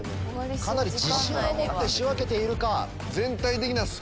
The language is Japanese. かなり自信を持って仕分けているか。